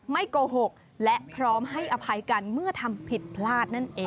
โกหกและพร้อมให้อภัยกันเมื่อทำผิดพลาดนั่นเอง